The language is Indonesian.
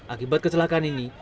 akibat kecelakaan ini